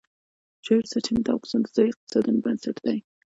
ژورې سرچینې د افغانستان د ځایي اقتصادونو بنسټ دی.